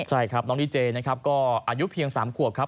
ใช่ครับน้องดีเจนะครับก็อายุเพียง๓ขวบครับ